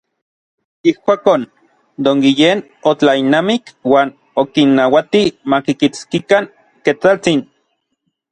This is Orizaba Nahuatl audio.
Ijkuakon, Don Guillén otlailnamik uan okinnauati makikitskikan Ketsaltsin.